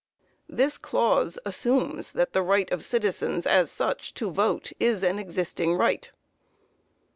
This clause assumes that the right of citizens, as such, to vote, is an existing right.